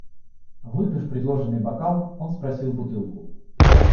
Выпив предложенный бокал, он спросил бутылку.